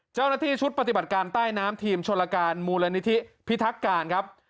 เจ้าหน้าที่ชุดปฏิบัติการใต้น้ำทีมชนละการมูลนิธิพิทักการครับ